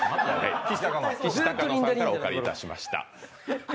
きしたかのさんからお借りいたしました。